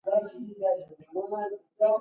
اوبه د پسرلي ښکلا ده.